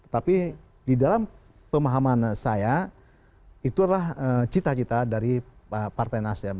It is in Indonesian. tapi di dalam pemahaman saya itu adalah cita cita dari partai nasdem